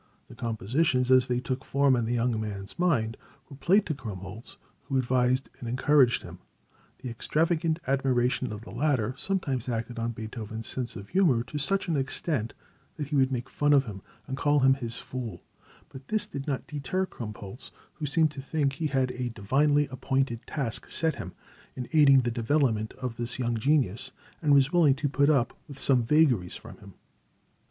The compositions as they took form in the young man's mind, were played to Krumpholz, who advised and encouraged him. The extravagant admiration of the latter sometimes acted on Beethoven's sense of humor to such an extent that he would make fun of him, and call him his fool, but this did not deter Krumpholz, who seemed to think he had a divinely appointed task set him, in aiding the development of this young genius, and was willing to put up with some vagaries from him.